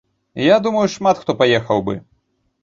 Я думаю, шмат хто паехаў бы.